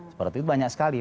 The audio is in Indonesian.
seperti itu banyak sekali